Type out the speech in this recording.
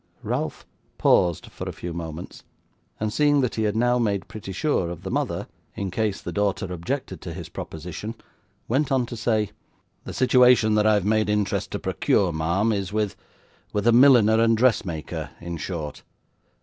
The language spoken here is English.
Ralph paused for a few moments, and seeing that he had now made pretty sure of the mother, in case the daughter objected to his proposition, went on to say: 'The situation that I have made interest to procure, ma'am, is with with a milliner and dressmaker, in short.